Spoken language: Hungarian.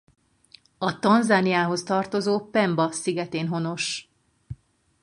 A Tanzániához tartozó Pemba-szigetén honos.